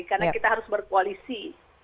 karena kita harus berkualisi